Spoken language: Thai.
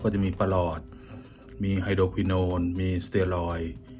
ก็จะมีปลอดมีไฮโดควินโอนมีสเตอรอย